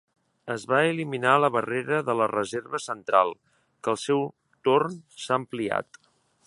Es va eliminar la barrera de la reserva central, que al seu torn s'ha ampliat.